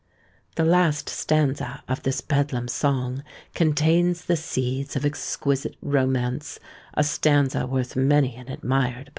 The last stanza of this Bedlam song contains the seeds of exquisite romance; a stanza worth many an admired poem.